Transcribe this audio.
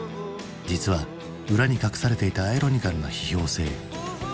実は裏に隠されていたアイロニカルな批評性。